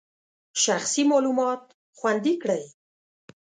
شخصي معلومات خوندي کړئ.